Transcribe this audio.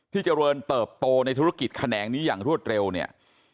เจริญเติบโตในธุรกิจแขนงนี้อย่างรวดเร็วเนี่ย